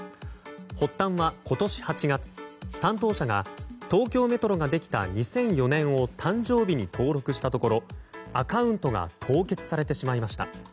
発端は今年８月担当者が東京メトロができた２００４年を誕生日に登録したところアカウントが凍結されてしまいました。